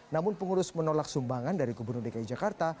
namun pengurus menolak sumbangan dari gubernur dki jakarta